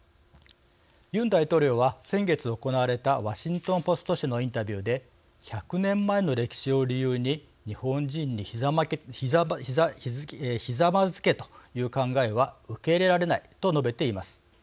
ユン大統領は先月行われたワシントンポスト紙のインタビューで「１００年前の歴史を理由に日本人にひざまずけという考えは受け入れられない」と述べています。